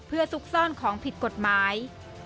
เพื่อซุกซ่อนของผิดกฎหมาย